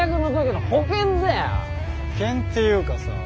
保険っていうかさ。